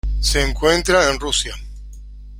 Se encuentra en Rusia.